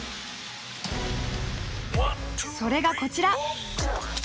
それがこちら！